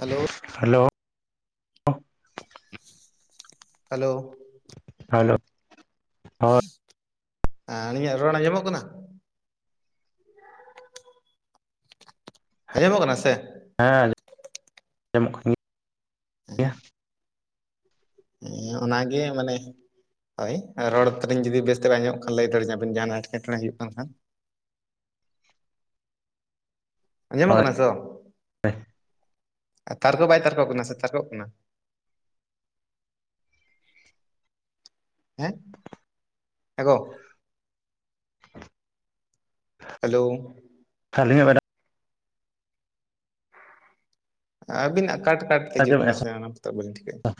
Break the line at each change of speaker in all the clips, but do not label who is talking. ᱦᱮᱞᱳᱜ
hello
hello
hello ᱦᱳᱭ
ᱟᱹᱞᱤᱧᱟᱜ ᱨᱚᱲ ᱟᱸᱡᱚᱢᱚᱜ ᱠᱟᱱᱟ? ᱟᱸᱡᱚᱢᱚᱜ ᱠᱟᱱᱟ ᱥᱮ?
ᱦᱮᱸ ᱟᱡᱚᱢ ᱟᱡᱚᱢᱚᱜ ᱠᱟᱱᱟ
[inaudible] [inaudible] ᱚᱱᱟᱜᱮ ᱢᱟᱱᱮ ᱦᱳᱭ ᱨᱚᱲ ᱛᱟᱹᱞᱤᱧ ᱡᱩᱫᱤ ᱵᱮᱥᱛᱮ ᱵᱟᱭ ᱟᱸᱡᱚᱢᱚᱜ ᱞᱟᱹᱭ ᱫᱟᱲᱮᱧᱟ ᱵᱤᱱ ᱡᱟᱦᱟᱸᱱᱟᱜ ᱮᱸᱴᱠᱮᱴᱚᱸᱲᱮ ᱦᱩᱭᱩᱜ ᱠᱟᱱ ᱠᱷᱟᱱ ᱾ ᱟᱸᱡᱚᱢᱚᱜ
ᱦᱳᱭ
ᱠᱟᱱᱟ ᱛᱚ ᱛᱟᱨᱠᱚ ᱵᱟᱭ ᱛᱟᱨᱠᱚᱜ ᱠᱟᱱᱟ ᱥᱮ ᱛᱟᱨᱠᱚᱜ ᱠᱟᱱᱟ? ᱦᱮᱸ ᱮᱜᱳ ᱦᱮᱞᱳ
[unintelligible]
ᱟᱹᱵᱤᱱᱟᱜ ᱠᱟᱴ ᱠᱟᱴ ᱛᱮ ᱦᱤᱡᱩᱜ ᱠᱟᱱᱟ ᱥᱮ ᱚᱱᱟ ᱠᱚᱛᱮᱜ ᱵᱟᱹᱞᱤᱧ ᱴᱷᱤᱠᱟᱹᱭᱮᱜᱼᱟ ᱾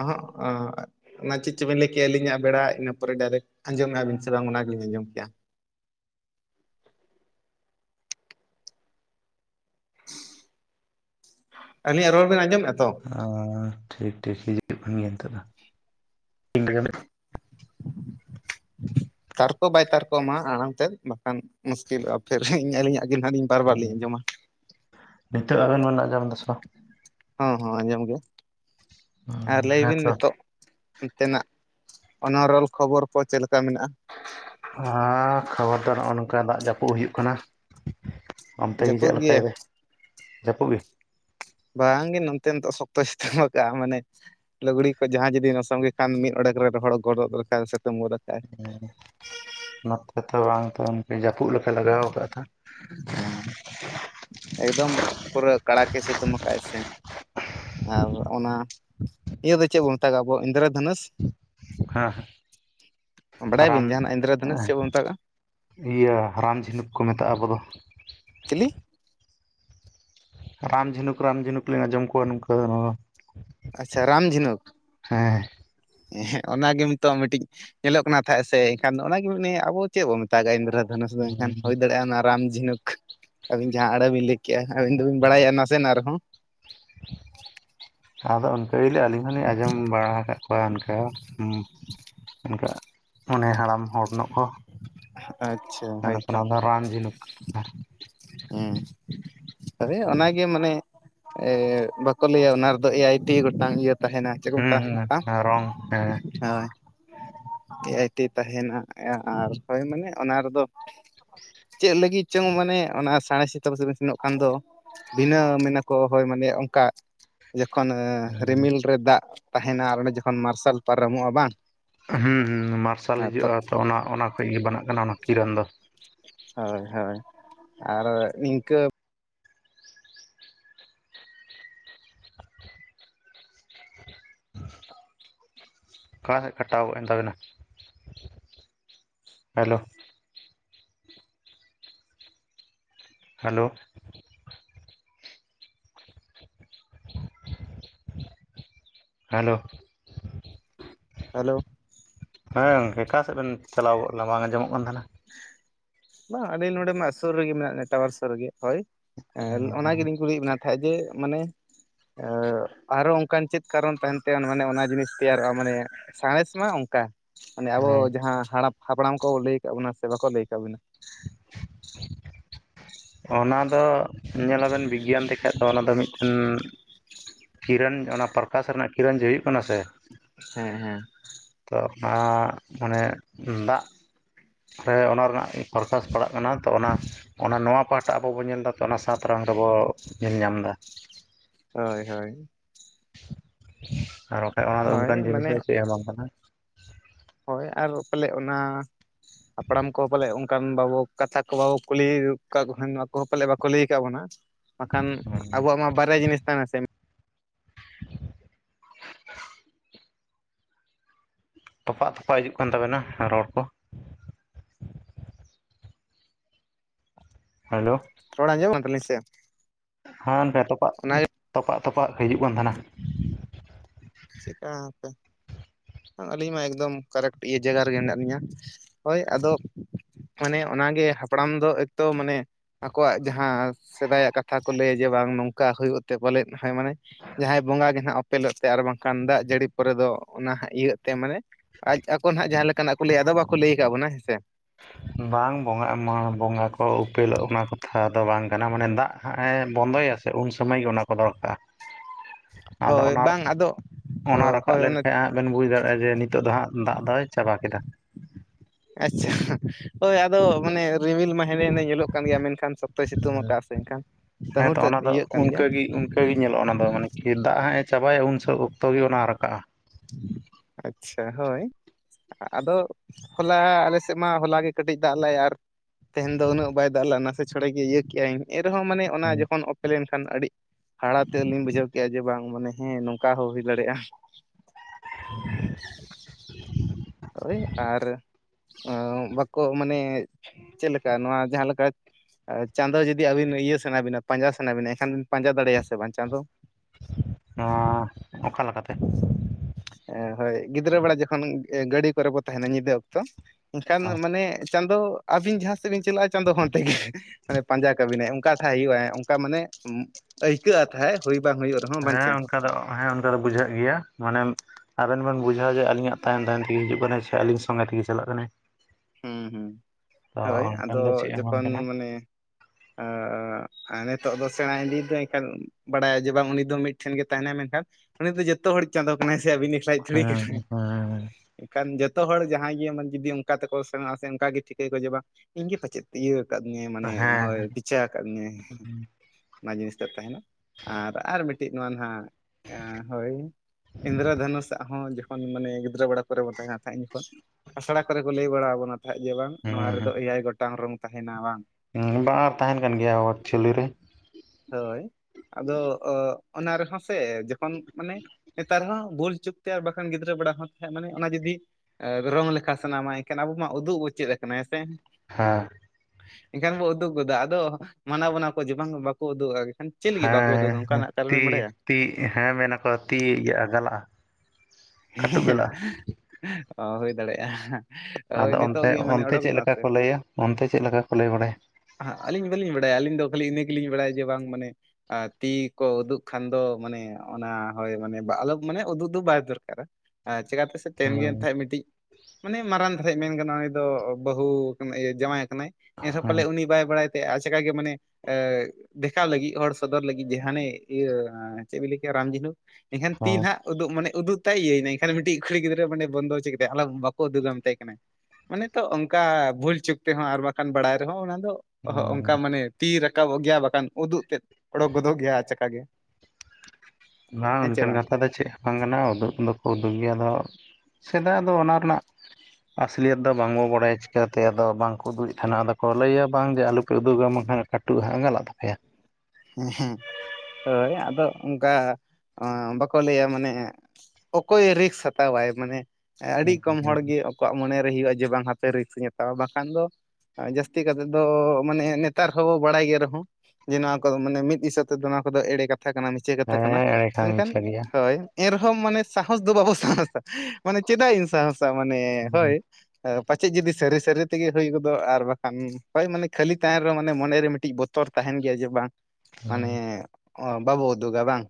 ᱚᱸᱦᱚᱜ [inaudible] ᱚᱱᱟ ᱪᱮᱜ ᱪᱚᱵᱮᱱ ᱞᱟᱹᱭ ᱠᱮᱜᱼᱟ ᱟᱹᱞᱤᱧᱟᱜ ᱵᱮᱲᱟ ᱤᱱᱟᱹ ᱯᱚᱨᱮ ᱰᱟᱭᱨᱮᱠ ᱟᱸᱡᱚᱢᱮᱭᱼᱟ ᱵᱤᱱ ᱥᱮ ᱵᱟᱝ ᱚᱱᱟ ᱜᱮᱞᱤᱧ ᱟᱸᱡᱚᱢ ᱠᱮᱜᱼᱟ [inaudible] ᱟᱹᱞᱤᱧᱟᱜ ᱨᱚᱲ ᱵᱤᱱ ᱟᱸᱡᱚᱢᱮᱼᱟ ᱛᱚ?
ᱦᱸ ᱴᱷᱤᱠ ᱴᱷᱤᱠ ᱦᱤᱡᱩᱜ ᱠᱟᱱ ᱜᱮᱭᱟ ᱱᱤᱛᱚᱜ ᱫᱚ [unintelligible]
ᱛᱟᱨᱠ ᱵᱟᱭ ᱛᱟᱨᱠᱚ ᱢᱟ ᱟᱲᱟᱝ ᱛᱮᱫ ᱵᱟᱠᱷᱟᱱ ᱢᱩᱥᱠᱤᱞᱚᱜᱼᱟ ᱯᱷᱤᱨ ᱟᱹᱞᱤᱧᱟᱜ ᱜᱮ ᱦᱟᱸᱜ ᱞᱤᱧ ᱵᱟᱨ ᱵᱟᱨ ᱞᱤᱧ ᱟᱸᱡᱚᱢᱟ
[inaudible] ᱱᱤᱛᱚᱜ [unintelligible] ᱫᱟᱥᱮ ᱵᱟᱝ?
ᱦᱚᱸ ᱦᱚᱸ ᱟᱸᱡᱚᱢ ᱜᱮ ᱟᱨ ᱞᱟᱹᱭ ᱵᱤᱱ
ᱦᱮᱸᱛᱚ
ᱱᱤᱛᱚᱜ ᱚᱱᱛᱮ ᱱᱟᱜ ᱚᱱᱚᱨᱚᱞ ᱠᱷᱚᱵᱚᱨ ᱠᱚ ᱪᱮᱫ ᱞᱮᱠᱟ ᱢᱮᱱᱟᱜᱼᱟ?
ᱦᱮᱸ ᱠᱷᱚᱵᱚᱨ ᱫᱚ ᱱᱚᱜᱼᱚ ᱱᱚᱝᱠᱟ ᱫᱟᱜ ᱡᱟᱹᱯᱩᱫ ᱦᱩᱭᱩᱜ ᱠᱟᱱᱟ ᱾ ᱚᱱᱛᱮᱜᱮ
ᱡᱟᱹᱯᱩᱫ
ᱪᱮᱫ ᱞᱮᱠᱟ
ᱜᱮ
ᱮᱫᱟᱭ ᱡᱟᱹᱯᱩᱜ ᱜᱮ
ᱵᱟᱝ ᱜᱮ ᱱᱚᱱᱛᱮ ᱱᱤᱛᱚᱜ ᱥᱚᱠᱛᱚᱭ ᱥᱤᱛᱩᱝ ᱟᱠᱟᱜᱼᱟ ᱢᱟᱱᱮ ᱞᱩᱜᱽᱲᱤ ᱠᱚ ᱡᱟᱦᱟᱸ ᱡᱩᱫᱤ ᱱᱚᱥᱮ ᱜᱮ ᱠᱷᱟᱱ ᱢᱤᱫ ᱚᱰᱮᱠ ᱨᱮ ᱨᱚᱦᱚᱲ ᱜᱚᱫᱚᱜ ᱞᱮᱠᱟᱭ ᱥᱤᱛᱩᱝ ᱜᱚᱫ ᱠᱟᱜ ᱟᱭ ᱾
ᱱᱚᱛᱮ ᱛᱚ ᱵᱟᱝ ᱛᱚ ᱤᱱᱠᱟᱹ ᱡᱟᱹᱯᱩᱫ ᱞᱮᱠᱟ ᱞᱟᱜᱟᱣ ᱟᱠᱟᱜᱼᱟ ᱛᱚ
ᱦᱮᱸ ᱮᱠᱫᱚᱢ ᱯᱩᱨᱟᱹ ᱠᱟᱲᱟᱠᱮ ᱥᱤᱛᱩᱢ ᱟᱠᱟᱜᱼᱟᱭ ᱥᱮ ᱟᱨ ᱚᱱᱟ ᱤᱭᱟᱹ ᱫᱚ ᱪᱮᱫ ᱵᱚᱱ ᱢᱮᱛᱟᱜᱼᱟ ᱟᱵᱚ ᱟᱜ ᱤᱱᱫᱨᱟ ᱫᱷᱚᱱᱩᱥ?
ᱦᱮᱸ
ᱵᱟᱰᱟᱭᱟ
ᱨᱟᱢ
ᱵᱤᱱ ᱡᱟᱦᱟᱱᱟᱜ ᱤᱱᱫᱨᱟ ᱫᱷᱚᱱᱩᱥ ᱪᱮᱫ ᱵᱚ ᱢᱮᱛᱟᱜᱟᱜᱼᱟ?
ᱤᱭᱟᱹ ᱦᱟᱨᱟᱢ ᱡᱷᱤᱱᱩᱠ ᱠᱚ ᱢᱮᱛᱟᱜᱼᱟ ᱟᱵᱚ ᱫᱚ ᱾
ᱪᱷᱤᱞᱤ?
ᱨᱟᱱ ᱡᱷᱤᱱᱩᱠ ᱨᱟᱱ ᱡᱷᱤᱱᱩᱠ ᱞᱤᱧ ᱟᱸᱡᱚᱢ ᱠᱚᱣᱟ ᱱᱚᱝᱠᱟ ᱦᱚᱸ‌᱾
ᱟᱪᱪᱷᱟ ᱨᱟᱢ ᱡᱷᱤᱱᱩᱠ᱾
ᱦᱮᱸ
ᱦᱮᱸ ᱚᱱᱟᱜᱮ ᱱᱤᱛᱚᱜ ᱢᱤᱫᱴᱤᱡ ᱧᱮᱞᱚᱜ ᱠᱟᱱᱟ ᱛᱟᱦᱮᱸᱫ ᱥᱮ ᱮᱱᱠᱷᱟᱱ ᱫᱚ ᱚᱱᱟᱜᱮ ᱢᱮᱱᱟ ᱟᱵᱚ ᱪᱮᱫ ᱵᱚᱱ ᱢᱮᱛᱟᱜᱼᱟ ᱤᱱᱫᱨᱚ ᱫᱷᱚᱱᱩᱥ ᱫᱚ ᱮᱱᱠᱷᱟᱱ ᱦᱩᱭ ᱫᱟᱲᱮᱭᱟᱜᱼᱟ ᱚᱱᱟ ᱨᱟᱢ ᱡᱷᱤᱱᱩᱠ᱾ ᱟᱹᱵᱤᱱ ᱡᱟᱦᱟᱸ ᱟᱹᱲᱟᱹ ᱵᱤᱱ ᱞᱟᱹᱭ ᱠᱮᱜᱼᱟ ᱾ ᱟᱹᱵᱤᱱ ᱫᱚᱵᱤᱱ ᱵᱟᱲᱟᱭᱟ ᱱᱟᱥᱮᱱᱟᱜ ᱨᱮᱦᱚᱸ᱾
[unintelligible] ᱟᱫᱚ ᱚᱱᱠᱟ ᱜᱮᱞᱤᱧ ᱟᱹᱞᱤᱧ ᱦᱚᱸᱞᱤᱧ ᱟᱸᱡᱚᱢ ᱵᱟᱲᱟ ᱠᱟᱜ ᱠᱚᱣᱟ ᱚᱱᱠᱟ᱾ ᱚᱱᱠᱟ ᱢᱟᱱᱮ ᱦᱟᱲᱟᱢ ᱦᱚᱲ ᱢᱮᱱᱟᱜ ᱠᱚ
[unintelligible]
ᱢᱮᱱ ᱟᱠᱚ
ᱦᱳᱭᱛᱚ
ᱱᱚᱣᱟ ᱫᱚ ᱨᱟᱢ ᱡᱷᱤᱱᱩᱠ᱾
ᱩᱸ ᱚᱱᱟᱜᱮ ᱢᱟᱱᱮ ᱮᱸ ᱵᱟᱠᱚ ᱞᱟᱹᱭᱟ ᱚᱱᱟ ᱨᱮᱫᱚ ᱮ ᱟᱭ ᱴᱤ ᱜᱚᱴᱟᱝ ᱤᱭᱟᱹ ᱛᱟᱦᱮᱱᱟ ᱾ ᱪᱮᱫ ᱠᱚ
ᱦᱩᱸ
ᱢᱮᱛᱟᱜ
ᱦᱩᱸ ᱨᱚᱝ ᱦᱮᱸ
ᱦᱳᱭ ᱮᱭᱟᱭ ᱴᱤ ᱛᱟᱸᱦᱮᱱᱟ ᱾ ᱟᱨ ᱦᱳᱭ ᱢᱟᱱᱮ ᱚᱱᱟ ᱨᱮᱫᱚ ᱪᱮᱫ ᱞᱟᱹᱜᱤᱫ ᱪᱚᱝ ᱢᱟᱱᱮ ᱚᱱᱟ ᱥᱟᱬᱮᱥ ᱥᱮᱛ ᱛᱮᱵᱚ ᱥᱮᱱᱚᱜ ᱠᱷᱟᱱ ᱫᱚ ᱵᱷᱤᱱᱟᱹ ᱢᱮᱱᱟᱠᱚ ᱦᱳᱭ ᱢᱟᱱᱮ ᱚᱱᱠᱟ ᱡᱚᱠᱷᱚᱱ
ᱦᱩᱸ
ᱨᱤᱢᱤᱞ ᱨᱮ ᱫᱟᱜ ᱛᱟᱸᱦᱮᱱᱟ ᱟᱨ ᱚᱸᱰᱮ ᱡᱚᱠᱷᱚᱱ ᱢᱟᱨᱥᱟᱞ ᱯᱟᱨᱚᱢᱚᱜᱼᱟ ᱵᱟᱝ
ᱦᱩᱸ ᱦᱩᱸ ᱢᱟᱨᱥᱟᱞ
ᱦᱮᱸᱛᱚ
ᱦᱤᱡᱩᱜᱼᱟ ᱛᱚ ᱚᱱᱟ ᱚᱱᱟ ᱠᱷᱚᱡᱽ ᱜᱮ ᱵᱟᱱᱟᱜ ᱠᱟᱱᱟ ᱚᱱᱟ ᱠᱤᱨᱚᱱ ᱫᱚ᱾
ᱦᱳᱭ ᱦᱳᱭ ᱟᱨᱚ ᱱᱤᱝᱠᱟᱹ
ᱚᱠᱟ ᱥᱮᱫ ᱠᱟᱴᱟᱣ ᱜᱚᱫ ᱮᱱ ᱛᱟᱵᱤᱱᱟ᱾ ᱦᱮᱞᱳ ᱦᱮᱞᱳ [inaudible] ᱦᱮᱞᱳ
ᱦᱮᱞᱳ
ᱦᱮᱸ ᱜᱚᱝᱠᱮ ᱟᱠᱟ ᱥᱮᱫ ᱵᱮᱱ ᱪᱟᱞᱟᱣ ᱜᱚᱫ ᱞᱮᱱᱟ? ᱵᱟᱝ ᱟᱸᱡᱚᱢᱚᱜ ᱠᱟᱱ ᱛᱟᱦᱮᱸᱱᱟ᱾
ᱵᱟᱝ ᱟᱞᱮ ᱱᱚᱰᱮ ᱢᱟ ᱥᱩᱨ ᱨᱮᱜᱮ ᱢᱮᱱᱟᱜ ᱞᱮᱭᱟ ᱴᱟᱣᱟᱨ ᱥᱩᱨ ᱨᱮᱜᱮ ᱦᱳᱭ᱾ ᱦᱮᱸ ᱚᱱᱟ ᱜᱮᱞᱤᱧ ᱠᱩᱞᱤᱭᱮᱫ ᱵᱮᱱᱟ ᱛᱟᱦᱮᱸᱫ ᱡᱮ ᱢᱟᱱᱮ ᱟᱨᱚ ᱚᱱᱠᱟᱱ ᱪᱮᱫ ᱠᱟᱨᱚᱱ ᱛᱟᱦᱮᱸᱱ ᱛᱟᱭᱟ ᱢᱟᱱᱮ ᱚᱱᱟ ᱡᱤᱱᱤᱥ ᱛᱮᱭᱟᱨᱚᱜᱼᱟ ᱢᱟᱱᱮ ᱥᱟᱬᱮᱥ ᱢᱟ ᱚᱱᱠᱟ᱾ ᱢᱟᱱᱮ ᱟᱵᱚ ᱡᱟᱦᱟᱸ ᱦᱟᱲᱟᱢ ᱦᱟᱯᱲᱟᱢ ᱠᱚ ᱞᱟᱹᱭ ᱠᱟ ᱵᱚᱱᱟ ᱥᱮ ᱵᱟᱠᱚ ᱞᱟᱹᱭ ᱠᱟ ᱵᱚᱱᱟ᱾
ᱚᱱᱟᱫᱚ ᱧᱮᱞᱟᱵᱮᱱ ᱵᱤᱜᱽᱜᱟᱱ ᱛᱮᱠᱷᱟᱡ ᱫᱚ ᱚᱱᱟᱫᱚ ᱢᱤᱫᱴᱮᱱ ᱠᱤᱨᱟᱹᱱ ᱚᱱᱟ ᱯᱨᱚᱠᱟᱥ ᱨᱮᱱᱟᱜ ᱠᱤᱨᱟᱹᱱ ᱡᱮ ᱦᱩᱭᱩᱜ ᱠᱟᱱᱟ ᱥᱮ,
ᱦᱮᱸ ᱦᱮᱸ
ᱛᱚ ᱚᱱᱟ ᱢᱟᱱᱮ ᱫᱟᱜ ᱥᱮ ᱚᱱᱟ ᱨᱮᱱᱟᱜ ᱯᱨᱚᱠᱟᱥ ᱯᱟᱲᱟᱜ ᱠᱟᱱᱟ᱾ ᱛᱚ ᱚᱱᱟ ᱚᱱᱟ ᱱᱚᱣᱟ ᱯᱟᱦᱴᱟ ᱟᱵᱚ ᱵᱚᱱ ᱧᱮᱞ ᱮᱫᱟ ᱛᱚ ᱚᱱᱟ ᱥᱟᱛ ᱨᱚᱝ ᱨᱮᱵᱚ ᱧᱮᱞ ᱧᱟᱢ ᱫᱟ᱾
ᱦᱳᱭ, ᱦᱳᱭ
ᱟᱨ ᱵᱟᱠᱷᱟᱡ ᱚᱱᱟ ᱫᱚ
ᱦᱳᱭ
ᱚᱱᱠᱟᱱ ᱡᱤᱱᱤᱥ
ᱢᱟᱱᱮ
ᱜᱮ ᱪᱮᱫ ᱦᱚᱸᱵᱟᱝ ᱠᱟᱱᱟ᱾
ᱦᱳᱭ ᱟᱨ ᱯᱟᱞᱮ ᱚᱱᱟ ᱦᱟᱯᱲᱟᱢ ᱠᱚ ᱯᱟᱞᱮ ᱚᱱᱠᱟᱱ ᱵᱟᱵᱚ ᱠᱟᱛᱷᱟ ᱠᱚ ᱵᱟᱵᱚ ᱠᱩᱞᱤ ᱟᱠᱟ ᱠᱷᱟᱱ ᱟᱠᱚ ᱦᱚᱸ ᱯᱟᱞᱮ ᱵᱟᱠᱚ ᱞᱟᱹᱭ ᱟᱠᱟ ᱵᱚᱱᱟ᱾ ᱵᱟᱠᱷᱟᱱ ᱟᱵᱚᱣᱟᱜ ᱢᱟ ᱵᱟᱨᱭᱟ ᱡᱤᱱᱤᱥ ᱛᱟᱦᱮᱸᱱᱟ ᱥᱮ,
ᱛᱚᱯᱟᱜ ᱛᱚᱯᱟᱜ ᱦᱤᱡᱩᱜ ᱠᱟᱱ ᱛᱟᱵᱮᱱᱟ ᱨᱚᱲ ᱠᱚ᱾ ᱦᱮᱞᱳ
ᱨᱚᱲ ᱟᱸᱡᱚᱢ ᱛᱟᱞᱤᱧ ᱥᱮ
ᱦᱟᱱᱛᱮ ᱛᱚᱯᱟᱜ
ᱚᱱᱟ
ᱛᱚᱯᱟᱜ ᱛᱚᱯᱟᱜ ᱦᱤᱡᱩᱜ ᱠᱟᱱ ᱛᱟᱸᱦᱮᱱᱟ᱾
ᱪᱮᱠᱟᱦᱟᱯᱮ ᱟᱹᱞᱤᱧ ᱢᱟ ᱮᱠᱫᱚᱢ ᱠᱟᱨᱮᱴ ᱤᱭᱟᱹ ᱡᱟᱹᱭᱜᱟ ᱨᱮᱜᱮ ᱢᱮᱱᱟᱜ ᱞᱤᱧᱟ᱾ ᱦᱳᱭ ᱟᱫᱚ ᱢᱟᱱᱮ ᱚᱱᱟᱜᱮ ᱦᱟᱯᱲᱟᱢ ᱫᱚ ᱮᱠᱛᱚ ᱢᱟᱱᱮ ᱟᱠᱚᱣᱟᱜ ᱡᱟᱦᱟᱸ ᱥᱮᱫᱟᱭᱟᱜ ᱠᱟᱛᱷᱟ ᱠᱚ ᱞᱟᱹᱭᱟ ᱡᱮ ᱵᱟᱝ ᱱᱚᱝᱠᱟ ᱦᱩᱭᱩᱜ ᱛᱮ ᱯᱟᱞᱮᱫ ᱦᱳᱭ ᱢᱟᱱᱮ᱾ ᱡᱟᱦᱟᱸᱭ ᱵᱚᱸᱜᱟ ᱜᱮ ᱦᱟᱸᱜ ᱚᱯᱮᱞᱚᱜ ᱛᱮ ᱟᱨ ᱵᱟᱝᱠᱷᱟᱱ ᱫᱟᱜ ᱡᱟᱹᱲᱤ ᱯᱚᱨᱮ ᱫᱚ ᱚᱱᱟ ᱦᱟᱸ ᱤᱭᱟᱹᱜ ᱛᱮ ᱢᱟᱱᱮ ᱟᱡ ᱟᱠᱚ ᱱᱟᱦᱟᱜ ᱡᱟᱦᱟᱸ ᱞᱮᱠᱟᱱᱟᱜ ᱠᱚ ᱞᱟᱹᱭ ᱟᱫᱚ ᱵᱟᱠᱚ ᱞᱟᱹᱭ ᱟᱠᱟᱫ ᱵᱚᱱᱟ ᱦᱮᱸ ᱥᱮ᱾
ᱵᱟᱝ ᱵᱚᱸ ᱢᱟ ᱵᱚᱸᱜᱟ ᱠᱚ ᱩᱯᱮᱞᱚᱜ ᱚᱱᱟ ᱠᱟᱛᱷᱟ ᱫᱚ ᱵᱟᱝ ᱠᱟᱱᱟ ᱢᱟᱱᱮ ᱫᱟᱜ ᱦᱟᱸᱜ ᱮ ᱵᱚᱱᱫᱚᱭᱟ ᱥᱮ ᱥᱮ ᱩᱱ ᱥᱚᱢᱚᱭ ᱜᱮ ᱚᱱᱟ ᱠᱚ ᱫᱚᱨᱠᱟᱨ ᱟᱫᱚ
ᱦᱳᱭ
ᱚᱱᱟᱨ
ᱵᱟᱝ ᱟᱫᱚ
ᱚᱱᱟ ᱨᱟᱠᱟᱵ
ᱦᱳᱭ ᱚᱱᱟ
ᱞᱮᱱᱠᱷᱟᱱᱡ ᱦᱟᱸᱜ ᱵᱮᱱ ᱵᱩᱡᱽ ᱫᱟᱲᱮᱭᱟᱜᱼᱟ ᱡᱮ ᱱᱤᱛᱚᱜ ᱫᱚ ᱦᱟᱸᱜ ᱫᱟᱜ ᱫᱚᱭ ᱪᱟᱵᱟ ᱠᱮᱫᱟ᱾
ᱟᱪᱪᱷᱟ ᱳᱭ ᱟᱫᱚ ᱢᱟᱱᱮ ᱨᱤᱢᱤᱞ ᱢᱟ ᱦᱮᱸᱫᱮᱸ ᱦᱮᱸᱫᱮᱸ ᱧᱩᱞᱩᱜ ᱠᱟᱱ ᱜᱮᱭᱟ ᱢᱮᱱᱠᱷᱟᱱ ᱥᱚᱠᱛᱚᱭ ᱥᱤᱛᱩᱝ ᱟᱠᱟᱜ ᱥᱮ ᱮᱱᱠᱷᱟᱱ, ᱛᱟᱹᱦᱩ ᱛᱮᱫ ᱤᱭᱟᱹᱜ ᱠᱟᱱ ᱜᱮᱭᱟ᱾
ᱨᱤᱠᱟᱹᱟᱹᱜ ᱜᱮ ᱧᱮᱞᱚᱜ ᱚᱱᱟᱫᱚ ᱢᱟᱱᱮ ᱫᱟᱜ ᱦᱟᱸᱜᱼ ᱮ ᱪᱟᱵᱟᱭᱟ ᱩᱱ ᱥᱚ ᱚᱠᱛᱚ ᱜᱮ ᱚᱱᱟ ᱨᱟᱠᱟᱵᱼᱟ᱾
ᱟᱪᱪᱷᱟ ᱦᱳᱭ᱾ ᱟᱫᱚ ᱦᱚᱞᱟ ᱟᱞᱮ ᱥᱮᱫ ᱢᱟ ᱦᱚᱞᱟ ᱜᱮ ᱠᱟᱹᱴᱤᱡ ᱫᱟᱜ ᱞᱮ ᱟᱨ ᱛᱮᱦᱮᱧ ᱫᱚ ᱩᱱᱟᱹᱜ ᱵᱟᱭ ᱫᱟᱜ ᱞᱮ ᱱᱟᱥᱮ ᱪᱷᱚᱲᱮᱜ ᱜᱮ ᱤᱭᱟᱹ ᱠᱮᱜᱼᱟᱭ ᱮᱱᱨᱮᱦᱚᱸ ᱢᱟᱱᱮ ᱚᱱᱟ ᱡᱚᱠᱷᱚᱱ ᱞᱮᱱᱠᱷᱟᱱ ᱟᱹᱰᱤ ᱦᱟᱲᱟ ᱛᱮᱞᱤᱧ ᱵᱩᱡᱷᱟᱹᱣ ᱠᱮᱫᱮᱜᱼᱟ ᱡᱮ ᱵᱟᱝ ᱢᱟᱱᱮ ᱦᱮᱸ ᱱᱚᱝᱠᱟ ᱦᱚᱸ ᱦᱩᱭ ᱫᱟᱲᱮᱭᱟᱜᱼᱟ᱾
[inaudible]
ᱳᱭ ᱟᱨ ᱵᱟᱠᱚ ᱢᱟᱱᱮ ᱪᱮᱫ ᱞᱮᱠᱟ ᱱᱚᱣᱟ ᱡᱟᱦᱟᱸ ᱞᱮᱠᱟ ᱪᱟᱸᱫᱚ ᱡᱩᱫᱤ ᱟᱹᱵᱤᱱ ᱤᱭᱟᱹ ᱥᱟᱱᱟ ᱵᱤᱱᱟ ᱯᱟᱸᱡᱟ ᱥᱟᱱᱟ ᱵᱤᱱᱟ ᱮᱱᱠᱷᱟᱱ ᱵᱤᱱ ᱯᱟᱸᱡᱟ ᱫᱟᱲᱮᱭᱟᱜᱼᱟ ᱥᱮ ᱵᱟᱝ ᱪᱟᱸᱫᱚ?
ᱚ ᱚᱠᱟ ᱞᱮᱠᱟᱛᱮ?
ᱮ ᱦᱳᱭ ᱜᱤᱫᱽᱨᱟᱹ ᱵᱮᱲᱟ ᱡᱚᱠᱷᱚᱱ ᱜᱟᱹᱰᱤ ᱠᱚᱨᱮ ᱵᱚ ᱛᱟᱦᱮᱱᱟ ᱧᱤᱫᱟᱹ ᱚᱠ ᱛᱚ ᱮᱱᱠᱷᱟᱱ ᱢᱟᱱᱮ ᱪᱟᱸᱫᱚ ᱟᱹᱵᱤᱱ ᱡᱟᱦᱟᱸ ᱥᱮᱫ ᱵᱤᱱ ᱪᱟᱞᱟᱜᱼᱟ ᱪᱟᱸᱫᱚ ᱦᱚ [unintelligible] ᱚᱱᱛᱮᱜᱮ ᱢᱟᱱᱮ ᱯᱟᱸᱡᱟ ᱠᱟᱵᱤᱱᱟ ᱚᱱᱠᱟ ᱛᱟᱦᱮ ᱦᱩᱭᱩᱜᱼᱟ ᱚᱱᱠᱟ ᱢᱟᱱᱮ ᱟᱹᱭᱠᱟᱹᱜᱼᱟ ᱛᱟᱦᱮ᱾
ᱦᱮᱸ ᱚᱱᱠᱟ ᱫᱚ ᱦᱮᱸ ᱚᱱᱠᱟ ᱫᱚ ᱵᱩᱡᱷᱟᱹᱜ ᱜᱮᱭᱟ, ᱢᱟᱱᱮ ᱟᱵᱮᱱ ᱵᱮᱱ ᱵᱩᱡᱷᱟᱹᱣᱟ ᱡᱮ ᱟᱞᱤᱧᱟᱜ ᱛᱟᱭᱚᱢ ᱛᱟᱭᱚᱢ ᱛᱮᱜᱮ ᱦᱤᱡᱩᱜ ᱠᱟᱱᱟᱭ ᱥᱮ ᱟᱞᱤᱧ ᱥᱚᱸᱜᱮ ᱛᱮᱜᱮ ᱪᱟᱞᱟᱜ ᱠᱟᱱᱟᱭ᱾
ᱦᱮᱸ ᱦᱩᱸ
ᱛᱚ
ᱦᱳᱭ
ᱚᱱᱠᱟᱱ
ᱟᱫᱚ
ᱫᱚ ᱪᱮᱫ ᱦᱚᱸ ᱵᱟᱝ
ᱡᱚᱠᱷᱚᱱ
ᱠᱟᱱᱟ
ᱢᱟᱱᱮ ᱟᱨ ᱱᱤᱛᱚᱜ ᱫᱚ ᱥᱮᱬᱟ ᱤᱫᱤᱭᱮᱛᱛᱮ ᱮᱱᱠᱷᱟᱱ ᱵᱟᱰᱟᱭᱟ ᱡᱮ ᱵᱟᱝ ᱩᱱᱤ ᱫᱚ ᱢᱤᱫ ᱴᱷᱮᱱ ᱜᱮ ᱛᱟᱦᱮᱱᱟᱭ ᱢᱮᱱᱠᱷᱟᱱ, ᱩᱱᱤ ᱫᱚ ᱡᱚᱛᱚ ᱦᱚᱲᱤᱡ ᱪᱟᱸᱫᱳ ᱠᱟᱱᱟᱭ ᱥᱮ ᱟᱹᱵᱤᱱᱤᱡ [unintelligible] ᱠᱟᱱᱟᱭ ᱮᱱᱠᱷᱟᱱ ᱡᱚᱛᱚ ᱦᱚᱲ ᱡᱟᱦᱟᱸᱭ ᱜᱮ ᱢᱟᱱᱮ ᱡᱩᱫᱤ ᱚᱱᱠᱟ ᱛᱮᱠᱚ ᱥᱮᱱᱚᱜ-ᱟ ᱥᱮ ᱚᱱᱠᱟ ᱜᱮ ᱴᱷᱤᱠᱟᱹᱭ ᱠᱚ ᱡᱮ ᱵᱟᱝ ᱤᱧ ᱜᱮ ᱯᱟᱪᱮᱫ ᱤᱭᱟᱹ ᱟᱠᱟᱫ ᱤᱧᱟᱹᱭ ᱢᱟᱱᱮ ᱦᱚ
ᱦᱮᱸ
ᱯᱤᱪᱷᱟ ᱟᱠᱟᱫ ᱤᱧᱟᱹᱭ᱾ ᱚᱱᱟ ᱡᱤᱱᱤᱥ‌ ᱴᱟᱜ‌ ᱛᱟᱦᱮᱱᱟ ᱟᱨ ᱟᱨ ᱢᱤᱫᱴᱤᱡ ᱱᱚᱣᱟ ᱱᱟᱦᱟᱜ ᱦᱳᱭ ᱤᱱᱫᱨᱚ ᱫᱷᱚᱱᱩᱥᱟᱜ ᱦᱚᱸ ᱡᱚ ᱠᱷᱚᱱ ᱢᱟᱱᱮ ᱜᱤᱫᱽᱨᱟᱹ ᱵᱮᱲᱟ ᱠᱚᱨᱮ ᱵᱚ ᱛᱟᱦᱮᱱᱟ ᱛᱟᱦᱮ ᱩᱱᱡᱚᱠᱷᱚᱡ ᱟᱥᱲᱟ ᱠᱚᱨᱮ ᱠᱚ ᱞᱟᱹᱭ ᱵᱟᱲᱟ ᱟᱵᱚ [unintelligible] ᱡᱮ ᱵᱟᱝ ᱱᱚᱣᱟ
ᱦᱮᱸ
ᱨᱮᱫᱚ ᱮᱭᱟᱭ ᱜᱚᱴᱟᱝ ᱨᱚᱝ ᱛᱟᱦᱮᱱᱟ ᱵᱟᱝ?
ᱦᱩᱸ ᱵᱟ ᱟᱨ ᱛᱟᱦᱮᱱ ᱠᱟᱱ ᱜᱮᱭᱟ ᱦᱚ ᱮᱠᱪᱷᱞᱤᱨᱮ᱾
ᱦᱳᱭ ᱟᱫᱚ ᱚᱱᱟ ᱨᱮᱦᱚᱸ ᱥᱮ ᱡᱚᱠᱷᱚᱱ ᱢᱟᱱᱮ ᱛᱟᱨ ᱨᱮᱦᱚᱸ ᱜᱳᱞ ᱪᱩᱠᱛᱮ ᱟᱨ ᱵᱟᱠᱷᱟᱱ ᱜᱤᱫᱽᱨᱟᱹ ᱵᱮᱲᱟ ᱦᱚᱸ ᱛᱟᱦᱮᱸ ᱢᱟᱱᱮ ᱚᱱᱟ ᱡᱩᱫᱤ ᱨᱚᱝ ᱞᱮᱠᱷᱟ ᱥᱟᱱᱟᱢᱟ ᱮᱱᱠᱷᱟᱱ ᱟᱵᱚ ᱢᱟ ᱩᱫᱩᱜ ᱵᱚ ᱪᱮᱫ ᱟᱠᱟᱱᱟ ᱦᱮᱸᱥᱮᱸ᱾
ᱦᱮᱸ᱾
ᱮᱱᱠᱷᱟᱱ ᱵᱚ ᱩᱫᱩᱜ ᱜᱚᱫᱟ ᱟᱫᱚ ᱢᱟᱱᱟ ᱵᱚᱱᱟ ᱠᱚ ᱡᱮ ᱵᱟᱝ ᱵᱟᱠᱚ ᱩᱫᱩᱜᱟ ᱮᱱᱠᱷᱟᱱ ᱪᱮᱫ ᱞᱟᱹᱜᱤᱫ ᱵᱟᱠᱚ ᱩᱫᱩᱜᱟ
ᱦᱮᱸ
ᱚᱱᱠᱟᱱᱟᱜ ᱠᱟᱨᱚᱱ
ᱛᱤ
ᱮᱢ ᱵᱟᱰᱟᱭᱟ?
ᱛᱤ ᱦᱮᱸ ᱢᱮᱱ ᱟᱠᱚ ᱛᱤ ᱜᱟᱞᱟᱜᱼᱟ᱾ ᱠᱟᱹᱴᱩᱵ ᱜᱟᱞᱟᱜᱼᱟ
[unintelligible] ᱚ ᱦᱩᱭ ᱫᱟᱲᱮᱭᱟᱜᱼᱟ᱾ ᱦᱳᱭ
ᱟᱫᱚ
ᱱᱤᱛᱚᱜ
ᱚᱱᱛᱮ
ᱜᱮ ᱢᱟᱱᱮ
ᱚᱱᱛᱮ
ᱚᱰᱳᱠ
ᱪᱮᱫ
ᱞᱮᱱᱟ
ᱞᱮᱠᱟ
ᱥᱮ
ᱠᱚ ᱞᱟᱹᱭᱟ ᱚᱱᱛᱮ ᱪᱮᱫ ᱞᱮᱠᱟ ᱠᱚ ᱞᱟᱹᱭ ᱵᱟᱰᱟᱭᱟ?
ᱦᱮᱸ ᱟᱹᱞᱤᱧ ᱫᱚ ᱵᱟᱹᱞᱤᱧ ᱵᱟᱰᱟᱭᱟ ᱟᱹᱞᱤᱧ ᱫᱚ ᱠᱷᱟᱹᱞᱤ ᱤᱱᱟᱹ ᱜᱮᱞᱤᱧ ᱵᱟᱲᱟᱭᱟ ᱡᱮ ᱵᱟᱝ ᱢᱟᱱᱮ ᱟᱨ ᱛᱤ ᱠᱚ ᱩᱫᱩᱜ ᱠᱷᱟᱱ ᱫᱚ ᱢᱟᱱᱮ ᱚᱱᱟ ᱦᱳᱭ ᱢᱟᱱᱮ ᱟᱞᱚ ᱢᱟᱱᱮ ᱩᱫᱩᱜ ᱫᱚ ᱵᱟᱭ ᱫᱚᱨ ᱠᱟᱨᱟ ᱪᱮᱠᱟ ᱛᱮᱥᱮ ᱛᱮᱱᱜᱤᱭᱟᱹᱧ
ᱦᱳᱭ
ᱛᱟᱦᱮᱸᱡ ᱢᱤᱫᱴᱤᱡ ᱢᱟᱱᱮ ᱢᱟᱨᱟᱝ ᱫᱷᱟᱨᱟᱤᱡ ᱢᱮᱱ ᱜᱟᱱᱚᱜᱼᱟ ᱩᱱᱤ ᱫᱚ ᱵᱟᱹᱦᱩ ᱠᱟᱱᱟ ᱤᱭᱟᱹ ᱡᱟᱶᱟᱭ ᱟᱠᱟᱱᱟᱭ ᱮᱱᱨᱮᱦᱚᱸ ᱯᱟᱞᱮ
ᱦᱳᱭ
ᱩᱱᱤ ᱵᱟᱭ ᱵᱟᱲᱟᱭ ᱛᱮ ᱟᱪᱠᱟᱜᱮ ᱢᱟᱱᱮ ᱫᱮᱷᱟᱣ ᱞᱟᱹᱜᱤᱫ ᱦᱚᱲ ᱥᱚᱫᱚᱨ ᱞᱟᱹᱜᱤᱫ ᱡᱮ ᱦᱟᱱᱮ ᱤᱭᱟᱹ ᱪᱮᱫ ᱵᱤᱱ ᱞᱟᱹᱭ ᱠᱮᱭᱟ ᱨᱟᱢ ᱡᱷᱤᱱᱩᱠ ᱮᱱᱠᱷᱟᱱ ᱛᱤ
ᱦᱳᱭ
ᱦᱟᱸᱜ ᱩᱫᱩᱜ ᱢᱟᱱᱮ ᱩᱫᱩᱜ ᱢᱮᱛᱟᱭ ᱤᱭᱟᱹ ᱢᱮᱱᱠᱷᱟᱱ ᱢᱤᱫᱴᱤᱡ ᱠᱩᱲᱤ ᱜᱤᱫᱽᱨᱟᱹ ᱢᱟᱱᱮ ᱵᱚᱱᱫᱚ ᱪᱚ ᱞᱮᱭᱟ ᱟᱞᱟᱠ ᱵᱟᱠᱚ ᱩᱫᱩ ᱜᱟ ᱢᱮᱛᱟᱭ ᱠᱟᱱᱟᱭ᱾ ᱢᱟᱱᱮ ᱛᱚ ᱚᱱᱠᱟ ᱵᱷᱩᱞ ᱪᱩᱠ ᱛᱮᱦᱚᱸ ᱟᱨ ᱵᱟᱝᱠᱷᱟᱱ ᱵᱟᱲᱟᱭ ᱨᱮᱦᱚᱸ ᱚᱱᱟ ᱫᱚ, ᱦᱚ ᱚᱱᱠᱟ
ᱦᱳᱭ
ᱢᱟᱱᱮ ᱛᱤ ᱨᱟᱠᱟᱵᱚᱜ ᱜᱮᱭᱟ ᱵᱟᱠᱷᱟᱱ ᱩᱫᱩᱜ ᱛᱮᱫ ᱚᱰᱚᱠ ᱜᱚᱫᱚ ᱜᱮᱭᱟ ᱪᱟᱠᱟ ᱜᱮ᱾
ᱵᱟᱝ
ᱦᱮᱸ ᱪᱮ
ᱚᱱᱠᱟᱱ ᱠᱟᱛᱷᱟ ᱫᱚ ᱪᱮᱫ ᱦᱚᱸ ᱵᱟᱝ ᱠᱟᱱᱟ ᱩᱫᱩᱜ ᱫᱚᱠᱚ ᱩᱫᱩᱜ ᱜᱮᱭᱟ ᱟᱫᱚ ᱥᱮᱫᱟᱭ ᱫᱚ ᱚᱱᱟ ᱨᱮᱱᱟᱜ ᱟᱥᱤᱞᱤᱭᱮᱫ ᱫᱚ ᱵᱟᱝᱵᱚ ᱵᱟᱲᱟᱭᱟ ᱪᱤᱠᱟᱹᱛᱮ ᱟᱫᱚ ᱵᱟᱝᱠᱚ ᱩᱫᱩᱜᱮᱫ ᱛᱟᱦᱮᱱᱟ ᱟᱫᱚ ᱠᱚ ᱞᱟᱹᱭᱟ ᱵᱟᱝ ᱜᱮ ᱟᱞᱩ ᱯᱮ ᱩᱫᱩᱜᱟ ᱵᱟᱝᱠᱷᱟᱱ ᱠᱟᱹᱴᱩᱡ ᱦᱚᱸ ᱜᱟᱞᱟ ᱛᱟᱯᱮᱭᱟ᱾
[unintelligible] ᱦᱳᱭ ᱟᱫᱚ ᱚᱱᱠᱟ ᱵᱟᱠᱚ ᱞᱟᱹᱭᱟ ᱢᱟᱱᱮ ᱚᱠᱚᱭ ᱨᱤᱠᱥ ᱦᱟᱛᱟᱣᱟᱭ ᱢᱟᱱᱮ ᱟᱹᱰᱤ ᱠᱚᱢ
ᱦᱮᱸ
ᱦᱚᱲᱜᱮ ᱠᱟᱜ ᱢᱚᱱᱮᱨᱮ ᱦᱩᱭᱩᱜᱼᱟ ᱡᱮ ᱵᱟᱝ ᱦᱟᱯᱮ ᱨᱤᱠᱥᱧ ᱦᱟᱛᱟᱣᱟ ᱵᱟᱝᱠᱷᱟᱱ ᱫᱚ ᱡᱟᱹᱥᱛᱤ ᱠᱟᱛᱮᱫ ᱫᱚ ᱢᱟᱱᱮ ᱱᱮᱛᱟᱨ ᱦᱚᱸ ᱵᱟᱲᱟᱭ ᱜᱮ ᱨᱮᱦᱚᱸ, ᱡᱮ ᱱᱚᱣᱟ ᱢᱟᱱᱮ ᱢᱤᱫ ᱫᱤᱥᱟᱹ ᱛᱮᱫᱚ ᱚᱱᱟ ᱠᱚᱫᱚ ᱮᱲᱮ ᱠᱟᱛᱷᱟ ᱠᱟᱱᱟ ᱢᱤᱪᱷᱟᱹ ᱠᱟᱛᱷᱟ ᱠᱟᱱᱟ,
ᱮᱲᱮ ᱠᱷᱟᱱᱤᱧ
ᱢᱮᱱᱠᱷᱟᱱ
ᱥᱟᱹᱨᱤᱭᱟ᱾
ᱦᱳᱭ ᱮᱱᱨᱮᱦᱚᱸ ᱢᱟᱱᱮ ᱥᱟᱦᱚᱥ ᱫᱚ ᱵᱟᱵᱚ ᱥᱟᱦᱚᱥᱟ ᱢᱟᱱᱮ ᱪᱮᱫᱟᱜ ᱤᱧ ᱥᱟᱦᱚᱥᱟ ᱢᱟᱱᱮ ᱦᱳᱭ᱾ ᱯᱟᱪᱮᱫ ᱡᱩᱫᱤ ᱥᱟᱹᱨᱤ ᱥᱟᱹᱨᱤ ᱛᱮᱜᱮ ᱦᱩᱭ ᱜᱚᱫᱚᱜ ᱟᱨ ᱵᱟᱠᱷᱟᱱ ᱦᱳᱭ ᱢᱟᱱᱮ ᱠᱷᱟᱹᱞᱤ ᱛᱟᱦᱮᱱ ᱨᱮᱚᱸ ᱢᱟᱱᱮ ᱢᱚᱱᱮᱨᱮ ᱢᱤᱫᱴᱤᱡ ᱵᱚ ᱛᱚᱨ ᱛᱟᱦᱮᱱ ᱜᱮᱭᱟ ᱡᱮ ᱵᱟᱝ ᱢᱟᱱᱮ ᱵᱟᱵᱚ ᱩᱫᱩᱜᱟ ᱵᱟᱝ᱾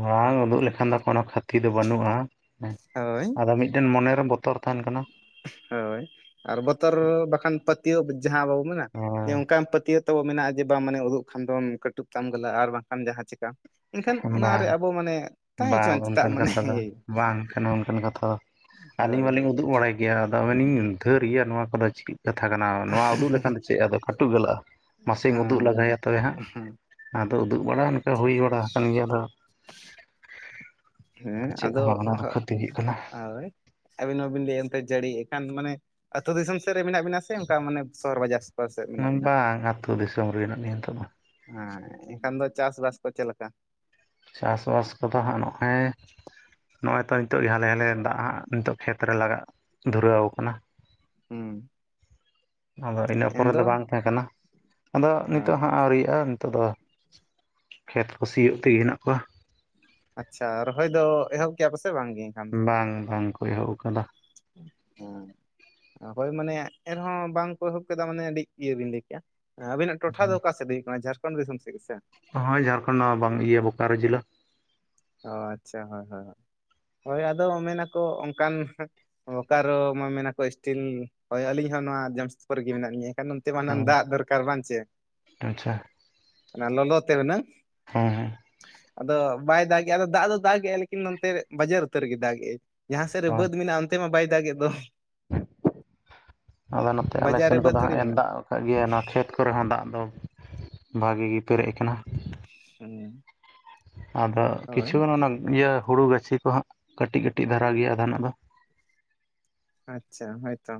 ᱵᱟᱝ ᱩᱫᱩᱜ ᱞᱮᱠᱷᱟᱱ ᱫᱚ ᱠᱳᱱᱳ ᱠᱷᱟᱹᱛᱤ ᱫᱚ ᱵᱟᱹᱱᱩᱜᱼᱟ,
ᱦᱳᱭ
ᱟᱫᱚ ᱢᱤᱫᱴᱮᱱ ᱢᱚᱱᱮᱨᱮ ᱵᱚᱛᱚᱨ ᱛᱟᱦᱮᱱ ᱠᱟᱱᱟ᱾
ᱦᱳᱭ ᱟᱨ ᱵᱚᱛᱚᱨ ᱵᱟᱠᱷᱟᱱ ᱯᱟᱹᱛᱤᱭᱟᱹᱣ ᱡᱟᱦᱟᱸ ᱵᱟᱵᱚ ᱢᱮᱱᱟ ᱚᱱᱠᱟᱱ ᱯᱟᱹᱛᱤᱭᱟᱹᱣ ᱛᱳ ᱢᱮᱱᱟᱜᱼᱟ ᱡᱮ ᱵᱟᱝ ᱢᱟᱱᱮ ᱩᱫᱩᱜ ᱠᱷᱟᱱ ᱫᱚᱢ ᱠᱟᱹᱴᱩᱵ ᱛᱟᱢ ᱜᱟᱞᱟ ᱟᱨ ᱵᱟᱝᱠᱷᱟᱱ ᱡᱟᱦᱟᱸ ᱪᱮᱠᱟᱜᱼᱟ᱾
ᱵᱟᱝ ᱵᱟᱝ
ᱦᱚᱪᱚᱣᱟᱱ ᱪᱮᱫᱟᱜ
ᱚᱱᱠᱟᱱ
ᱢᱟᱱᱮ
ᱠᱟᱛᱷᱟ ᱫᱚ
ᱤᱭᱟᱹᱭ
ᱵᱟᱝ ᱠᱟᱱᱟ ᱚᱱᱠᱟᱱ ᱠᱟᱛᱷᱟ ᱫᱚ ᱟᱹᱞᱤᱧ
ᱦᱳᱭ
ᱢᱟᱞᱤᱧ
ᱦᱳᱭ
ᱩᱫᱩᱜ ᱵᱟᱲᱟᱭ ᱜᱮᱭᱟ ᱟᱫᱚ ᱟᱵᱮᱱᱤᱧ ᱫᱷᱟᱹᱨ ᱜᱮᱭᱟ ᱱᱚᱣᱟ ᱠᱚᱫᱚ ᱪᱮ ᱠᱟᱛᱷᱟ ᱠᱟᱱᱟ ᱱᱚᱣᱟ ᱩᱫᱩᱜ ᱞᱮᱠᱷᱟᱱ ᱫᱚ ᱪᱮᱫ ᱟᱫᱚ ᱠᱟᱹᱴᱩ ᱜᱚᱞᱚᱜᱼᱟ ᱢᱟᱥᱮᱢ ᱩᱫᱩᱜ ᱞᱟᱜᱟᱭᱟ ᱛᱚᱵᱮ ᱦᱟᱸᱜ ᱟᱫᱚ ᱩᱫᱩᱜ ᱵᱟᱲᱟ ᱯᱱᱠᱟ ᱦᱩᱭ ᱵᱟᱲᱟ ᱟᱠᱟᱱ ᱜᱮᱭᱟ ᱟᱫᱚ
ᱦᱮᱸ
ᱪᱮᱫ
ᱟᱫᱚ
ᱦᱚᱸ ᱵᱟᱝ ᱚᱱᱟ ᱫᱚ ᱠᱷᱚᱛᱤ ᱦᱩᱭᱩᱜ ᱠᱟᱱᱟ
ᱦᱳᱭ ᱟᱹᱵᱤᱱ ᱦᱚᱸᱵᱤᱱ ᱞᱟᱹᱭᱮᱫᱼᱟ ᱮᱱᱮᱫ ᱡᱟᱹᱲᱤ ᱮᱱᱠᱷᱟᱱ ᱢᱟᱱᱮ ᱟ ᱟᱹᱛᱩ ᱫᱤᱥᱚᱢ ᱥᱮᱫ ᱨᱮ ᱢᱮᱱᱟᱜ ᱵᱤᱱᱟ ᱥᱮ ᱚᱱᱠᱟ ᱢᱟᱱᱮ ᱥᱚᱦᱚᱨ ᱵᱟᱡᱟᱨ ᱥᱮ
ᱵᱟᱝ ᱟᱹᱛᱩ ᱫᱤᱥᱚᱢ ᱨᱮ ᱢᱤᱱᱟ ᱞᱤᱧᱟᱹ ᱱᱤᱛᱚᱜ ᱫᱚ
ᱦᱮᱸ ᱮᱱᱠᱷᱟᱱ ᱫᱚ ᱪᱟᱥ ᱵᱟᱥ ᱠᱚ ᱪᱮᱫ ᱞᱮᱠᱟ
ᱪᱟᱥᱼᱵᱟᱥ ᱠᱚᱫᱚ ᱦᱟᱸᱜ ᱱᱚᱜᱼᱚᱭ ᱱᱚᱜᱼᱚᱭ ᱛᱚ ᱱᱤᱛᱚᱜ ᱜᱮ ᱦᱟᱞᱮ ᱦᱟᱞᱮ ᱫᱟᱜ ᱦᱟᱸᱜ ᱱᱤᱛᱚᱜ ᱠᱷᱮᱛᱨᱮ ᱞᱟᱜᱟᱜ ᱫᱷᱩᱨᱟᱹᱣ ᱠᱟᱱᱟ
ᱦᱩᱸ
ᱟᱫᱚ ᱤᱱᱟᱹ ᱯᱚᱨᱮ ᱫᱚ
ᱮᱱᱫᱚ
ᱵᱟᱝ ᱛᱟᱦᱮᱸ ᱠᱟᱱᱟ ᱟᱫᱚ ᱱᱤᱛᱚᱜ ᱦᱟᱸᱜ ᱟᱹᱣᱨᱤᱭᱟᱜᱼᱟ ᱱᱤᱛᱚᱜ ᱫᱚ ᱠᱷᱮᱛ ᱠᱩ ᱥᱤᱭᱟᱜ ᱛᱮ ᱦᱮᱱᱟᱜ ᱠᱚᱣᱟ
ᱟᱪᱪᱷᱟ ᱨᱚᱦᱚᱭ ᱫᱚ ᱮᱦᱚᱵ ᱠᱮᱭᱟ ᱯᱮ ᱥᱮ ᱵᱟᱝᱜᱮ ᱮᱱᱠᱷᱟᱱ ᱫᱚ?
ᱵᱟᱝ ᱵᱟᱝᱠᱚ ᱮᱦᱚᱵ ᱟᱠᱟᱫᱟ
ᱷᱳᱭ ᱢᱟᱱᱮ ᱮᱱᱨᱮᱦᱚᱸ ᱵᱟᱝ ᱠᱚ ᱮᱦᱚᱵ ᱠᱮᱫᱟ ᱢᱟᱱᱮ ᱟᱹᱰᱤ ᱤᱭᱟᱹ ᱵᱤᱱ ᱞᱟᱹᱭ ᱠᱮᱭᱟ ᱟᱵᱤᱱᱟᱜ ᱴᱚᱴᱷᱟ ᱫᱚ ᱚᱠᱟ ᱥᱮᱫ ᱦᱩᱭᱩᱜ ᱠᱟᱱᱟ ᱡᱷᱟᱲᱠᱷᱚᱸᱰ ᱫᱤᱥᱚᱢ ᱥᱮᱫ ᱜᱮ ᱥᱮ
ᱦᱳᱭ ᱡᱷᱟᱲᱠᱷᱚᱸᱰ ᱱᱚᱣᱟ ᱤᱭᱟᱹ ᱵᱳᱠᱟᱨᱳ ᱡᱮᱞᱟ
ᱚ ᱟᱪᱪᱷᱟ ᱦᱳᱭ ᱦᱳᱭ ᱦᱳᱭ ᱟᱫᱚ ᱢᱮᱱᱟᱠᱚ ᱚᱱᱠᱟᱱ ᱵᱚᱠᱟᱨᱚ ᱢᱟ ᱢᱮᱱᱟᱠᱚ ᱥᱴᱤᱞ ᱦᱳᱭ ᱟᱹᱞᱤᱧ ᱦᱚᱸ ᱱᱚᱣᱟ ᱡᱟᱢᱥᱮᱫᱽᱯᱩᱨ ᱨᱮᱜᱮ ᱢᱮᱱᱟᱜ ᱞᱤᱧᱟᱹ ᱱᱚᱱᱛᱮ ᱢᱟᱱᱮ
ᱦᱮᱸ
ᱫᱟᱜ ᱫᱚᱨᱠᱟᱨ ᱵᱟᱝ ᱥᱮ
ᱟᱪᱪᱷᱟ
ᱚᱱᱟ ᱞᱚᱞᱚ ᱛᱮ ᱚᱱᱮ
ᱦᱩᱸ ᱦᱩᱸ
ᱟᱫᱚ ᱵᱟᱭ ᱫᱟᱜ ᱜᱮᱭᱟ ᱟᱫᱚ ᱫᱟᱜ ᱫᱟ ᱫᱟᱜ ᱮᱜᱮᱭᱟ ᱞᱮᱠᱤᱧ ᱱᱚᱛᱮ ᱵᱟᱡᱟᱨ ᱩᱛᱟᱹᱨ ᱜᱮ ᱫᱟᱜᱮᱭᱟ ᱡᱟᱦᱟᱸ ᱥᱮᱫ ᱨᱮ
ᱦᱳᱭ
ᱵᱟᱹᱫᱽ ᱢᱮᱱᱟᱜᱼᱟ ᱚᱱᱛᱮ ᱢᱟ ᱵᱟᱭ ᱫᱟᱜᱮᱫ ᱫᱚ
ᱟᱫᱚ ᱱᱚᱛᱮ ᱟᱞᱮ
ᱵᱟᱡᱟᱨ ᱨᱮ
ᱥᱮᱱ
ᱵᱟᱹᱫ
ᱠᱚᱫᱚ
ᱛᱷᱚᱲᱤ
ᱦᱟᱸᱜ ᱮ
ᱢᱮᱱᱟᱜᱼᱟ
ᱫᱟᱜ ᱠᱟᱫ ᱜᱮᱭᱟ ᱚᱱᱟ ᱠᱷᱮᱛ ᱠᱚᱨᱮ ᱦᱚᱸ ᱫᱟᱜ ᱫᱚ ᱵᱷᱟᱜᱮ ᱜᱮ ᱯᱮᱨᱮᱡ ᱟᱠᱟᱱᱟ
ᱦᱩᱸ
ᱟᱫᱚ
ᱦᱳᱭ
ᱠᱤᱪᱷᱩᱜᱟᱱ ᱚᱱᱟ ᱤᱭᱟᱹ ᱦᱩᱲᱩ ᱜᱟᱹᱪᱷᱤ ᱠᱚᱦᱟᱸᱜ ᱠᱟᱹᱴᱤᱡ ᱠᱟᱹᱴᱤᱡ ᱫᱷᱟᱨᱟ ᱜᱮᱭᱟ ᱚᱱᱟ ᱫᱚ
ᱟᱪᱪᱷᱟ ᱦᱳᱭ ᱛᱚ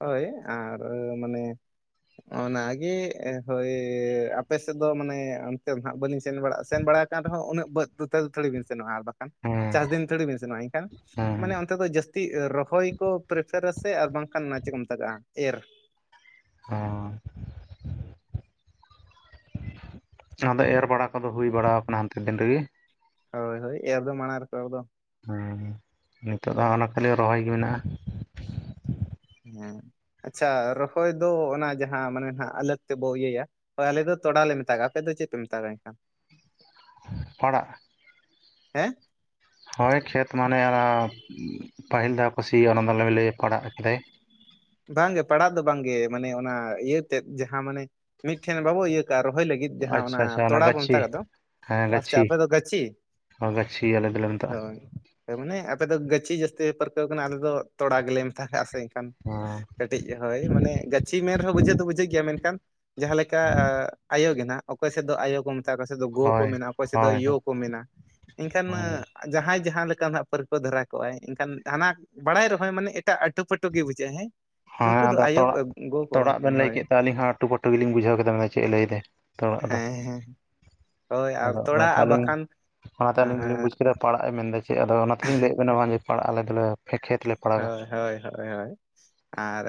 ᱦᱳᱭ ᱟᱨ ᱢᱟᱱᱮ ᱚᱱᱟᱜᱮ ᱦᱳᱭ ᱟᱯᱮ ᱥᱮᱫ ᱫᱚ ᱢᱟᱱᱮ ᱚᱱᱛᱮ ᱱᱟᱜ ᱵᱟᱹᱞᱤᱧ‌ ᱥᱮᱱ ᱵᱟᱲᱟ ᱠᱟᱱ ᱨᱮᱦᱚᱸ ᱩᱱᱟᱹᱜᱟᱹ [unintelligible] ᱛᱷᱚᱲᱮ ᱵᱮᱱ ᱥᱮᱱᱚᱜᱼᱟ ᱟᱨ ᱵᱟᱝ
ᱦᱮᱸ
ᱪᱟᱥ ᱫᱤᱱ ᱛᱷᱚᱲᱤ ᱵᱤᱱ ᱥᱮᱱᱚᱜᱼᱟ ᱮᱱᱠᱷᱟᱱ
ᱦᱮᱸ
ᱢᱟᱱᱮ ᱚᱱᱛᱮ ᱫᱚ ᱡᱟᱹᱥᱛᱤ [unintelligible] ᱨᱚᱦᱚᱭ ᱠᱚ ᱯᱨᱤᱯᱟᱨ ᱟ ᱥᱮ ᱟᱨ ᱵᱟᱝᱠᱷᱟᱱ ᱚᱱᱟ ᱪᱮᱫ ᱠᱚ ᱢᱮᱛᱟᱜᱟᱜᱼᱟ ᱮᱨ
[unintelligible] ᱟᱫᱚ ᱮᱨ ᱵᱟᱲᱟ ᱠᱚᱫᱚ ᱦᱩᱭ ᱵᱟᱲ ᱠᱟᱱᱟ ᱦᱟᱱᱛᱮ ᱫᱤᱱ ᱨᱮᱜᱮ
ᱦᱳᱭ ᱦᱳᱭ ᱮᱨ ᱫᱚ ᱢᱟᱬᱟᱝ ᱨᱮᱠᱚ ᱮᱦᱚᱵᱫᱚ
ᱦᱮᱸ ᱱᱤᱛᱳ ᱫᱚ ᱦᱟᱸᱜ ᱚᱱᱟ ᱠᱷᱟᱹᱞᱤ ᱨᱚᱦᱚᱭ ᱜᱮ ᱢᱮᱱᱟᱜᱼᱟ᱾
ᱦᱮᱸ ᱟᱪᱪᱷᱟ ᱨᱚᱦᱚᱭ ᱫᱚ ᱚᱱᱟ ᱡᱟᱦᱟᱸ ᱢᱟᱱᱮ ᱦᱸᱟᱜ ᱟᱞᱟᱠ ᱛᱮᱵᱚ ᱤᱭᱟᱹᱭᱟ ᱦᱳᱭ ᱟᱞᱮ ᱫᱚ ᱛᱚᱲᱟᱣ ᱞᱮ ᱢᱮᱛᱟᱜᱼᱟ ᱟᱯᱮ ᱫᱚ ᱪᱮᱫ ᱯᱮ ᱢᱮᱛᱟᱜᱼᱟ ᱮᱱᱠᱷᱟᱱ?
ᱯᱟᱲᱟᱜ
ᱦᱮᱸ
ᱦᱳᱭ ᱠᱷᱮᱛ ᱢᱟᱱᱮ ᱚᱱᱟ ᱯᱟᱹᱦᱤᱞ ᱫᱷᱟᱣ ᱠᱚ ᱥᱤᱭᱟ ᱚᱱᱟᱫᱚᱞᱮ ᱠᱟᱹᱭᱟ ᱯᱟᱲᱦᱟᱜ ᱠᱮᱫᱟᱭ᱾
ᱵᱟᱝᱜᱮ ᱯᱟᱲᱟᱜ ᱫᱚ ᱵᱟᱝᱜᱮ ᱢᱟᱱᱮ ᱚᱱᱟ ᱤᱭᱟᱹᱛᱮᱫ ᱡᱟᱦᱟᱸ ᱢᱟᱱᱮ ᱢᱤᱫᱴᱷᱮᱱ ᱵᱟᱵᱚ ᱤᱭᱟᱹ ᱠᱟᱜᱼᱟ ᱨᱚᱦᱚᱭ ᱞᱟᱹᱜᱤᱫ ᱡᱟᱦᱟᱸ ᱚᱱᱟ
ᱟᱪᱪᱷᱟ ᱟᱪᱪᱷᱟ
ᱛᱚᱲᱟ ᱵᱚᱱ
ᱜᱟᱹᱪᱷᱤ
ᱢᱮᱛᱟᱜ ᱫᱚ ᱯᱟᱪᱷᱮ ᱟᱯᱮᱫ ᱫᱚ ᱜᱟᱹᱪᱷᱤ
ᱚ ᱜᱟᱪᱷᱤ ᱟᱞᱮ ᱫᱚᱞᱮ ᱢᱮᱛᱟᱜᱼᱟ᱾
ᱦᱳᱭ ᱢᱟᱱᱮ ᱟᱯᱮᱫ ᱫᱚ ᱜᱟᱹᱪᱷᱤ ᱡᱟᱹᱥᱛᱤ ᱯᱮ ᱯᱟᱹᱨᱠᱟᱹᱣ ᱠᱟᱱᱟ ᱟᱞᱮ ᱫᱚ ᱛᱚᱲᱟ ᱜᱮᱞᱮ ᱢᱮᱛᱜᱟᱜᱼᱟ ᱥᱮ ᱮᱱᱠᱷᱟᱱ᱾ ᱠᱟᱹᱴᱤᱡ ᱦᱳᱭ ᱢᱟᱱᱮ ᱜᱟᱹᱪᱷᱤ ᱢᱮ ᱨᱮᱦᱚᱸ ᱵᱩᱡᱷᱟᱹᱣ ᱫᱚ ᱵᱩᱡᱷᱟᱹᱜ ᱜᱮᱭᱟ ᱢᱮᱱᱠᱷᱟᱱ ᱡᱟᱦᱟᱸ ᱞᱮᱠᱟ
ᱦᱮᱸ
ᱟᱭᱳ ᱜᱮ ᱱᱟ ᱚᱠᱚᱭ ᱥᱮᱫ ᱫᱚ ᱟᱭᱳ ᱠᱚ ᱢᱮ ᱚᱠᱟᱭ ᱥᱮᱫ ᱫᱚ ᱜᱚ ᱠᱚ
ᱦᱳᱭ
ᱢᱮᱱᱟ ᱚᱠᱚᱭ ᱥᱮᱫ ᱫᱚ
ᱦᱳᱭ
ᱭᱳ ᱠᱚ ᱢᱮᱱᱟ ᱮᱱᱠᱷᱟᱱ
ᱦᱳᱭ
ᱡᱟᱦᱟᱸᱭ ᱡᱟᱦᱟᱸ ᱞᱮᱠᱟ ᱦᱟᱸᱜ ᱯᱟᱹᱨᱠᱟᱹ ᱫᱷᱟᱨᱟ ᱠᱚᱜᱼᱟᱭ ᱮᱱᱠᱷᱟᱱ ᱦᱟᱱᱟ ᱵᱟᱲᱟᱭ ᱨᱮᱦᱚᱸᱭ ᱢᱟᱱᱮ ᱮᱴᱟᱜ ᱟᱹᱴᱩ ᱯᱟᱹᱴᱩ ᱜᱮ ᱵᱩᱡᱷᱟᱹᱜ ᱡᱟᱦᱟᱸᱭ ᱱᱩᱠᱩ
ᱦᱮᱸ
ᱫᱚ
ᱟᱫᱚ
ᱟᱭᱳ
ᱛᱚᱲᱟᱜ
ᱠᱚᱣᱟ
ᱛᱚᱲᱟᱜ
ᱠᱚ
ᱵᱮᱱ ᱞᱟᱹᱭ
ᱦᱳᱭ
ᱠᱮᱫᱟ ᱟᱞᱤᱧ ᱦᱚᱸ ᱟᱴᱩ ᱯᱟᱹᱴᱩ ᱜᱮᱞᱤᱧ ᱵᱩᱡᱷᱟᱹᱣ ᱠᱮᱫᱟᱱᱟ ᱪᱮᱫ ᱮ ᱞᱟᱹᱭᱮᱫᱟᱭ ᱛᱚᱲᱟᱜ ᱫᱚ᱾
ᱦᱮᱸ ᱦᱮᱸ ᱦᱳᱭ ᱟᱨ
ᱟᱫᱚ
ᱛᱚᱲᱟ
ᱚᱱᱟᱛᱮ
ᱟᱨ
ᱟᱹᱞᱤᱧ
ᱵᱟᱠᱷᱟᱱ
ᱚᱱᱟᱛᱮ ᱟᱹᱞᱤᱧ ᱫᱚᱞᱤᱧ ᱵᱩᱡᱽ
ᱦᱳᱭ
ᱠᱮᱫᱟ ᱯᱟᱲᱟᱜᱼ ᱮ ᱢᱮᱱ ᱮᱫᱟ ᱪᱮᱫ ᱟᱫᱚ ᱚᱱᱟᱛᱮᱞᱤᱧ ᱞᱟᱹᱭᱭᱟᱮᱫ ᱵᱮᱱᱟ ᱱᱚᱣᱟ ᱡᱮ ᱯᱟᱲᱟᱜ ᱟᱞᱮ ᱫᱚᱞᱮ ᱠᱷᱮᱛ ᱞᱮ ᱯᱟᱲᱟᱜᱟ
ᱦᱳᱭ ᱦᱳᱭ ᱦᱳᱭ ᱦᱳᱭ ᱟᱨ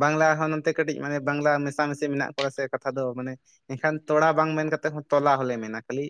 ᱵᱟᱝᱞᱟ ᱦᱚᱸ ᱱᱚᱱᱛᱮ ᱠᱟᱹᱴᱤᱡ ᱢᱟᱱᱮ ᱵᱟᱝᱞᱟ ᱢᱮᱥᱟᱢᱤᱥᱤ ᱢᱮᱱᱟᱜ ᱠᱚᱣᱟ ᱥᱮ ᱠᱟᱛᱷᱟ ᱫᱚ ᱢᱟᱱᱮ ᱮᱱᱠᱷᱟᱱ ᱛᱚᱲᱟ ᱵᱟᱝ ᱢᱮᱱ ᱠᱟᱛᱮᱫ ᱦᱚᱸ ᱛᱚᱞᱟ ᱦᱚᱞᱮ ᱢᱮᱱᱟ ᱠᱷᱟᱹᱞᱤ